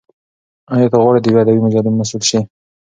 ایا ته غواړې د یوې ادبي مجلې مسول شې؟